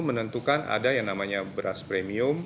menentukan ada yang namanya beras premium